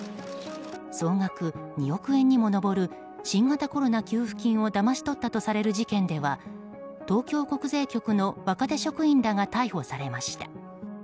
総額２億円にも上る新型コロナ給付金をだまし取ったとされる事件では東京国税局の若手職員らが逮捕されました。